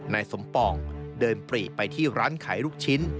นายสมปองเดินปรีไปที่ร้านขายลูกชิ้น